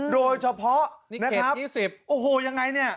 โดยเฉพาะนะครับโอ้โหยังไงเนี่ย